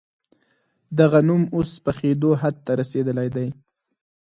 دغه نوم اوس پخېدو حد ته رسېدلی دی.